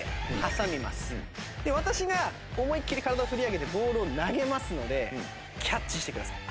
私が思いきり体を振り上げてボールを投げますのでキャッチしてください。